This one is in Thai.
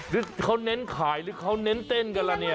หรือเขาเน้นขายหรือเขาเน้นเต้นกันล่ะเนี่ย